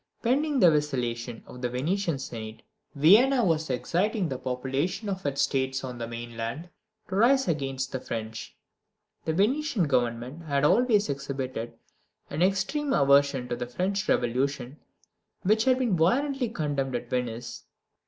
Pending the vacillation of the Venetian Senate, Vienna was exciting the population of its States on the mainland to rise against the French. The Venetian Government had always exhibited an extreme aversion to the French Revolution, which had been violently condemned at Venice.